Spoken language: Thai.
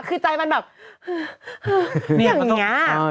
คือใจมันแบบอย่างนี้